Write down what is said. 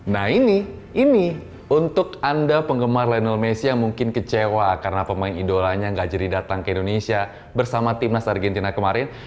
nah ini untuk anda penggemar linel messi yang mungkin kecewa karena pemain idolanya gak jadi datang ke indonesia bersama timnas argentina kemarin